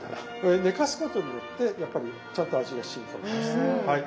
ねかすことによってやっぱりちゃんと味がしみこむんですはい。